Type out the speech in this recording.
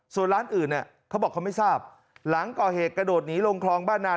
ส่วนร้านอื่นเนี่ยเขาบอกเขาไม่ทราบหลังก่อเหตุกระโดดหนีลงคลองบ้านนาน